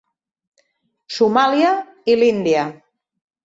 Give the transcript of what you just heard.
Somàlia i l'Índia.